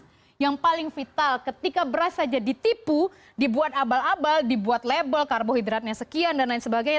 yang paling vital ketika beras saja ditipu dibuat abal abal dibuat label karbohidratnya sekian dan lain sebagainya